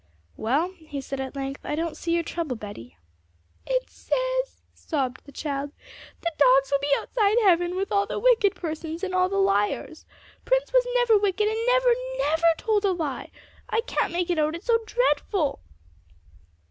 'Well,' he said at length, 'I don't see your trouble, Betty.' 'It says,' sobbed the child, 'that dogs will be outside heaven with all the wicked persons and all the liars! Prince was never wicked, and never, never told a lie. I can't make it out, it's so dreadful!'